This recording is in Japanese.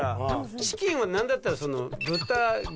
チキンは何だったらその。